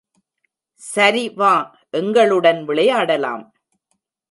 சரி வா எங்களுடன் விளையாடலாம்.